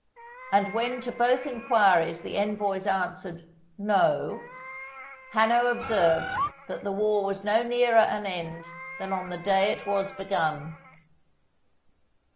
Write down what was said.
And when to both inquiries the envoys answered, "No," Hanno observed that the war was no nearer an end than on the day it was begun.